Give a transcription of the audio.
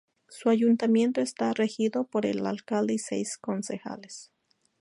Su ayuntamiento está regido por el alcalde y seis concejales.